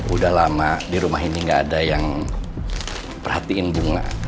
udah lama di rumah ini gak ada yang perhatiin bunga